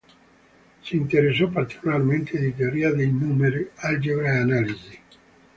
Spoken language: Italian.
Si interessò particolarmente di teoria dei numeri, algebra e analisi.